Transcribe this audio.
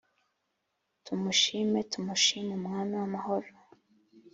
Tumushime tumushime umwami w’amahoro